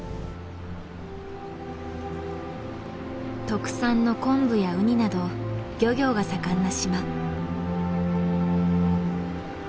特産の昆布やウニなど漁業が盛んな島。